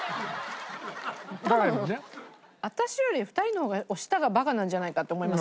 多分私より２人の方がお舌がバカなんじゃないかって思います